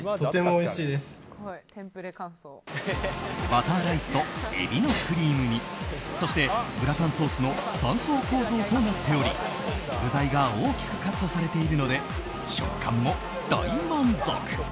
バターライスとエビのクリーム煮そしてグラタンソースの３層構造となっており具材が大きくカットされているので食感も大満足。